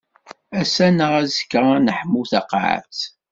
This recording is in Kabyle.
Ass-a neɣ azekka ad neḥmu taqaɛet.